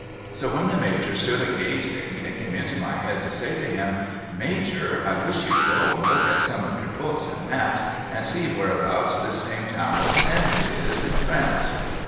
So while the Major stood a gazing it came into my head to say to him ' Major I wish you'd go and look at some of your books and maps, and see where abouts this same town of Sens is in France.'